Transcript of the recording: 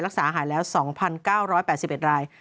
รักษาหายแล้ว๒๙๘๑ราย